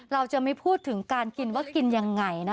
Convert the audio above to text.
เราจะไม่พูดถึงการกินว่ากินยังไงนะ